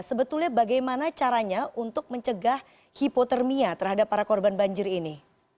sebetulnya bagaimana caranya untuk mencegah hipotermia terhadap para korban banjir ini